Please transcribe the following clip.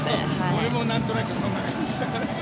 俺もなんとなくそんな感じしたから。